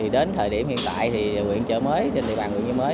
đến thời điểm hiện tại thì quyền chợ mới trên địa bàn quyền chợ mới